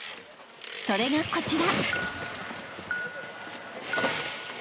［それがこちら］